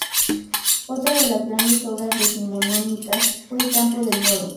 Otra de las grandes obras decimonónicas fue el Campo del Moro.